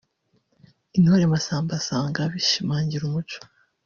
Intore Massamba asanga bishimangira umuco